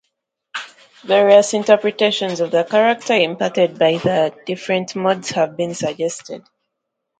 Various interpretations of the "character" imparted by the different modes have been suggested.